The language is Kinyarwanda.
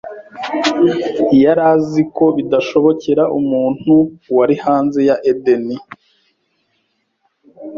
yari azi ko bidashobokera umuntu wari hanze ya Edeni